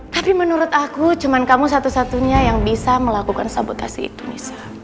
tapi menurut aku cuma kamu satu satunya yang bisa melakukan sabotasi itu misalnya